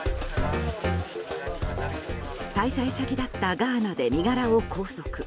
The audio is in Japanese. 滞在先だったガーナで身柄を拘束。